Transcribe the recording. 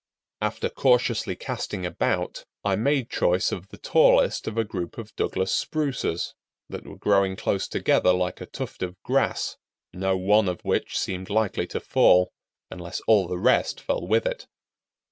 After cautiously casting about, I made choice of the tallest of a group of Douglas Spruces that were growing close together like a tuft of grass, no one of which seemed likely to fall unless all the rest fell with it.